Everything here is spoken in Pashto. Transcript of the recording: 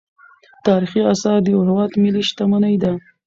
تاریخي اثار د یو هیواد ملي شتمني ده.